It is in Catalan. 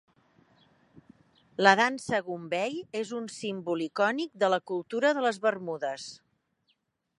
La dansa "gombey" és un símbol icònic de la cultura de les Bermudes.